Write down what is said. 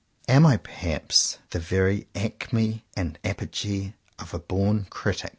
Am I, perhaps, the very acme and apogee of a born critic?